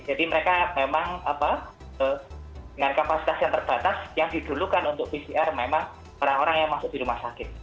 mereka memang dengan kapasitas yang terbatas yang didulukan untuk pcr memang orang orang yang masuk di rumah sakit